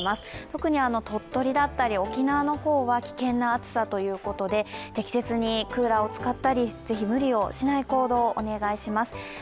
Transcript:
特に鳥取だったり沖縄は危険な暑さということで適切にクーラーを使ったり、ぜひ無理をしない行動をお願いします。